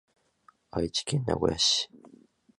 愛知県名古屋市